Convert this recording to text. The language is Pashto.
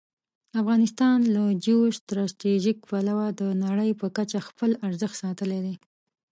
افغانستان له جیو سټراټژيک پلوه د نړۍ په کچه خپل ارزښت ساتلی دی.